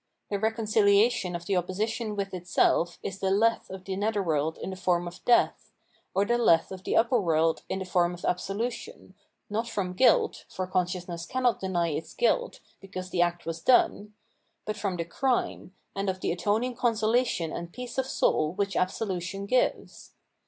The reconcihation of the opposition with itself is the Lethe of the netherworld in the form of Death — or the Lethe of the upper world in the form of absolution, not from guilt (for consciousness cannot deny its guilt, because the act was done), but from the crime, and of the atoning consolation and peace of soul which absolution gives.